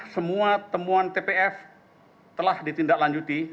semua temuan tpf telah ditindaklanjuti